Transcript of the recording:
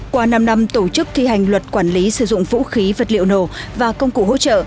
qua năm năm tổ chức thi hành luật quản lý sử dụng vũ khí vật liệu nổ và công cụ hỗ trợ